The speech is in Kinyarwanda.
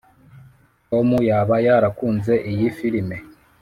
tom yaba yarakunze iyi firime.